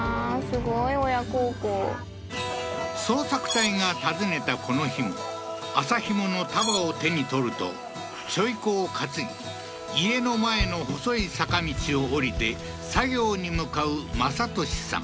すごい親孝行捜索隊が訪ねたこの日も麻ひもの束を手に取ると背負子を担ぎ家の前の細い坂道を下りて作業に向かう政利さん